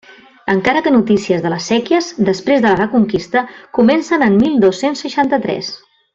Encara que notícies de les séquies després de la reconquista comencen en mil dos-cents seixanta-tres.